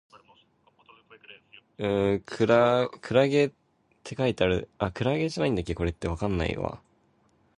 你有冇試過同海豚一齊游水